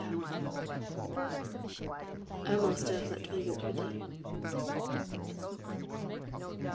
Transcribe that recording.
135 O MASTER, LET ME WALK WITH THEK.